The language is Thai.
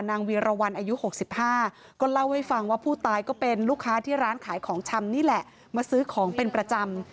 เวียรวรรณอายุ๖๕ก็เล่าให้ฟังว่าผู้ตายก็เป็นลูกค้าที่ร้านขายของชำนี่แหละมาซื้อของเป็นประจำ